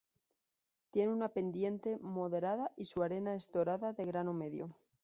Tiene una pendiente moderada y su arena es dorada de grano medio.